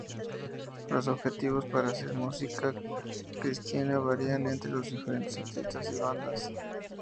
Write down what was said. Los objetivos para hacer música cristiana varían entre los diferentes artistas y bandas.